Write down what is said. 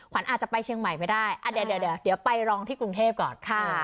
ขวัญอาจจะไปเชียงใหม่ไม่ได้อ่ะเดี๋ยวเดี๋ยวเดี๋ยวไปลองที่กรุงเทพก่อนค่ะ